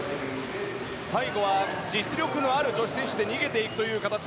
最後は、実力のある女子選手で逃げていく形。